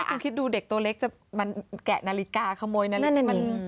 คุณคิดดูเด็กตัวเล็กจะมาแกะนาฬิกาขโมยนั้น